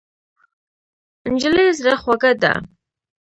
نجلۍ زړه خوږه ده.